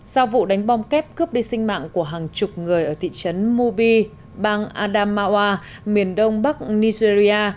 sau vụ đánh bom kép cướp đi sinh mạng của hàng chục người ở thị trấn mubi bang adamawa miền đông bắc nigeria